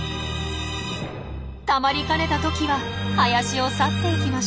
たまりかねたトキは林を去って行きました。